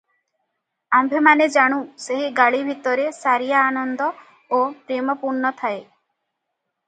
ଆମ୍ଭେମାନେ ଜାଣୁ, ସେହି ଗାଳି ଭିତରେ ସାରିଆ ଆନନ୍ଦ ଓ ପ୍ରେମ ପୂର୍ଣ୍ଣ ଥାଏ ।